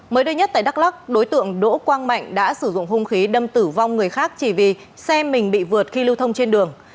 mới đây nhất tại đắk lắc đối tượng đỗ quang mạnh đã sử dụng hung khí đâm tử vong người khác chỉ vì xe mình bị vượt khi lưu thông trên đường